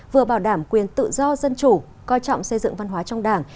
vừa bảo đảm quyền tự do dân chủ coi trọng xây dựng văn hóa trong đảng